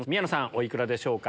お幾らでしょうか？